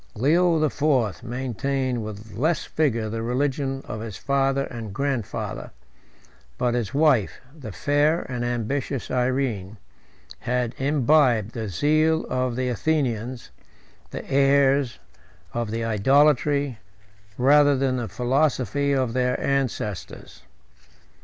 Leo the Fourth maintained with less rigor the religion of his father and grandfather; but his wife, the fair and ambitious Irene, had imbibed the zeal of the Athenians, the heirs of the Idolatry, rather than the philosophy, of their ancestors.